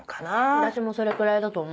私もそれくらいだと思う。